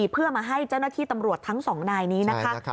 เพื่อมาให้เจ้าหน้าที่ตำรวจทั้งสองนายนี้นะคะ